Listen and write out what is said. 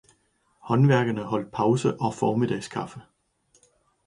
Håndværkerne holdt pause og formiddagskaffe.